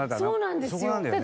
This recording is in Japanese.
そうなんですよ。